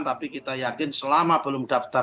tapi kita yakin selama belum daftar